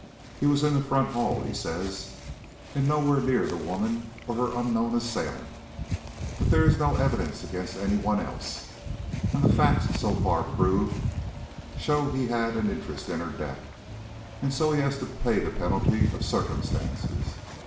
He was in the front hall, he says, and nowhere near the woman or her unknown assailant, but there is no evidence against any one else, and the facts so far proved, show he had an interest in her death, and so he has to pay the penalty of circumstances.